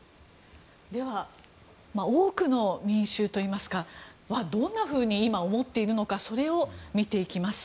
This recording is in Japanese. では、多くの民衆はどんなふうに今、思っているのかそれを見ていきます。